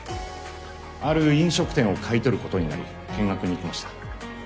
ある飲食店を買い取ることになり見学に行きました。